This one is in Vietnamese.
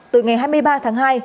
từ ngày hai mươi ba tháng hai